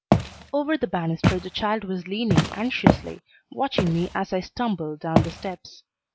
Over the banister the child was leaning anxiously, watching me as I stumbled down the steps.